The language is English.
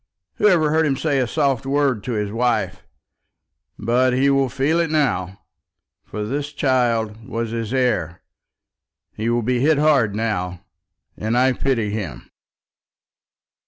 Who ever heard him say a soft word to his wife? But he will be hit now, for this child was his heir. He will be hit hard now, and I pity him."